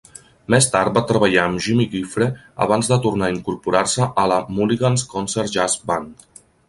Més tard va treballar amb Jimmy Giuffre, abans de tornar a incorporar-se a la Mulligan's Concert Jazz Band.